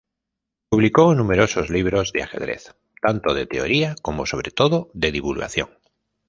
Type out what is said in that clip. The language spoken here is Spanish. Publicó numerosos libros de ajedrez, tanto de teoría como, sobre todo, de divulgación.